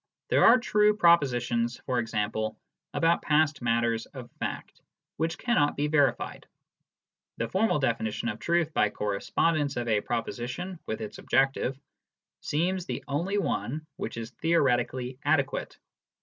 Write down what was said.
There are true propositions, for example, about past matters of fact, which cannot be verified. The formal definition of truth by correspondence of a proposi tion with its objective seems the only one which is theoretically adequate.